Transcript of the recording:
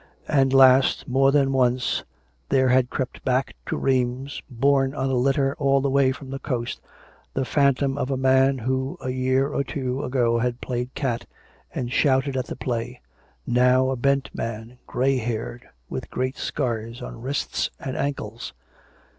And, last, more than once, there had crept back to Rheims, borne on a litter all the way from the coast, the phantom of a man who a year or two ago had played " cat " and shouted at the play — now a bent man, grey haired, with great scars on wrists and ankles.